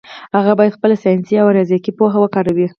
هغه باید خپله ساینسي او ریاضیکي پوهه وکاروي.